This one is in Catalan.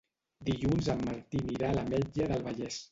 Dilluns en Martí anirà a l'Ametlla del Vallès.